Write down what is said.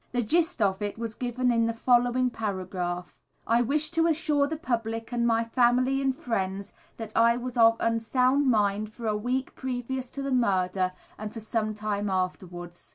The gist of it was given in the following paragraph: "I wish to assure the public and my family and friends that I was of unsound mind for a week previous to the murder and for some time afterwards.